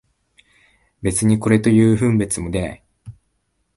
別にこれという分別も出ない